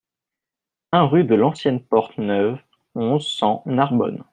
un rue de l'Ancienne Porte Neuve, onze, cent, Narbonne